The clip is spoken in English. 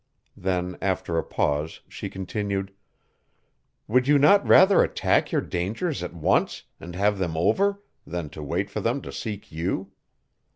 Then after a pause, she continued: "Would you not rather attack your dangers at once, and have them over, than to wait for them to seek you?"